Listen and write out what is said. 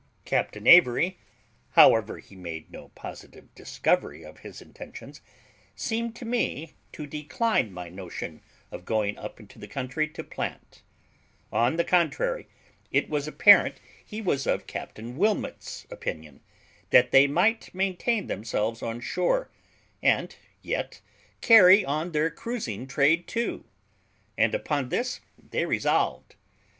Captain Avery, however he made no positive discovery of his intentions, seemed to me to decline my notion of going up into the country to plant; on the contrary, it was apparent he was of Captain Wilmot's opinion, that they might maintain themselves on shore, and yet carry on their cruising trade too; and upon this they resolved.